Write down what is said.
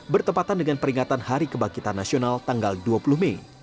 bertepatan dengan peringatan hari kebangkitan nasional tanggal dua puluh mei